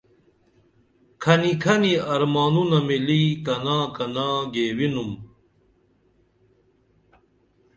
کھنی کھنی ارمانونہ مِلی کنا کنا گیوینُم